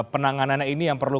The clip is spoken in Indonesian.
penanganannya ini yang perlu